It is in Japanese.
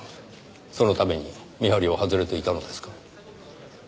そのために見張りを外れていたのですか？